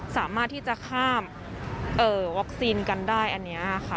สามารถที่จะข้ามวัคซีนกันได้อันนี้ค่ะ